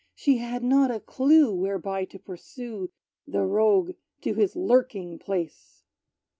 She had not a clue, whereby to pursue The rogue to his lurking place!